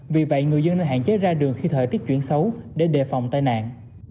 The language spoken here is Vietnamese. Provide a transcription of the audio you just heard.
vì vậy người dân nên hạn chế ra đường khi thời tiết chuyển xấu để đề phòng tai nạn